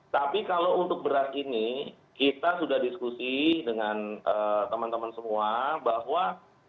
tapi kalau untuk beras ini kita sudah diskusi dengan teman teman semua bahwa